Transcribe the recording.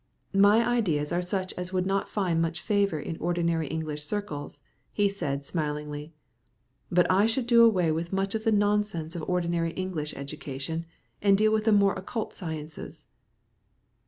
"My ideas are such as would not find much favour in ordinary English circles," he said smilingly. "But I should do away with much of the nonsense of ordinary English education, and deal with the more occult sciences."